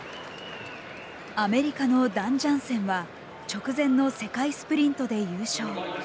アメリカのダンジャンセンは直前の世界スプリントで優勝。